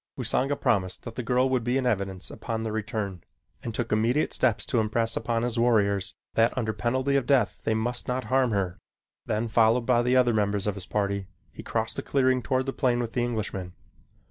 Usanga promised that the girl would be in evidence upon their return, and took immediate steps to impress upon his warriors that under penalty of death they must not harm her. Then, followed by the other members of his party, he crossed the clearing toward the plane with the Englishman.